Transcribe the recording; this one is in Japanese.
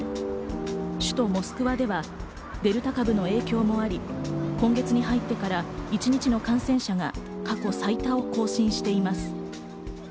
首都・モスクワではデルタ株の影響もあり、今月に入ってから一日の感染者が過去最多を更新しています。